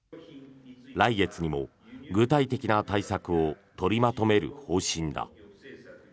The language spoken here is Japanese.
来月にも具体的な対策を取りまとめる方針だ。